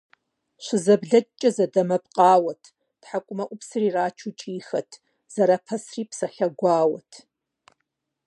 ЩызэблэкӀкӀэ зэдэмэпкъауэрт, тхьэкӀумэӀупсыр ирачу кӀийхэрт, зэрапэсри псалъэ гуауэт.